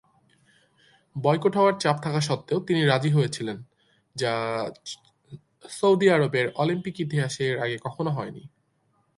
Boycott হওয়ার চাপ থাকা সত্ত্বেও তিনি রাজি হয়েছিলেন, যা সৌদি আরবের অলিম্পিক ইতিহাসে এর আগে কখনও হয়নি।